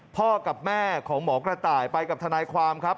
พ่อกับแม่ของหมอกระต่ายไปกับทนายความครับ